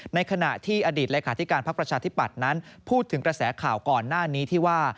ในขณะที่อดีตเลขาธิการพักประชาธิปัตย์นั้นพูดถึงกระแสข่าวก่อนหน้านี้ที่ว่า